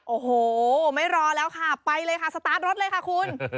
โอ้โหไม่รอแล้วค่ะไปเลยค่ะสตาร์ทรถเลยค่ะคุณ